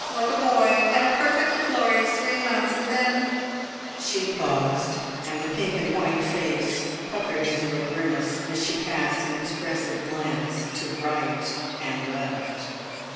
Like a boy. I had a perfectly glorious three months, and then " She paused, and the pink and white face puckered into a grimace as she cast an expressive glance to right and left.